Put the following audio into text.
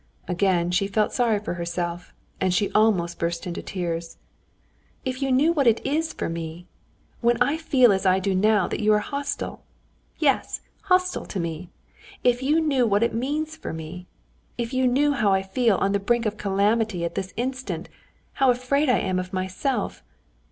Again she felt sorry for herself, and she almost burst into tears. "If you knew what it is for me! When I feel as I do now that you are hostile, yes, hostile to me, if you knew what this means for me! If you knew how I feel on the brink of calamity at this instant, how afraid I am of myself!"